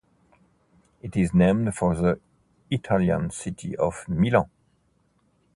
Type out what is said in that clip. It is named for the Italian city of Milan.